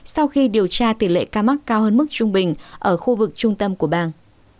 sau khi điều tra tỷ lệ ca mắc cao hơn mức trung bình ở khu vực trung tâm của bang